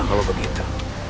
syukurlah kau begitu